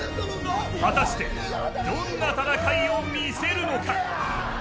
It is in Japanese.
果たしてどんな戦いを見せるのか。